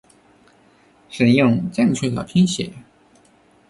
使用正确的拼写